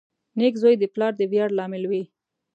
• نېک زوی د پلار د ویاړ لامل وي.